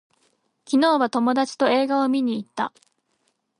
昨日は友達と映画を見に行った